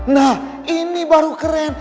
nah ini baru keren